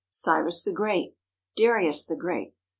Cyrus the Great. Darius the Great.